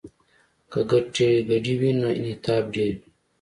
که ګټې ګډې وي نو انعطاف ډیر وي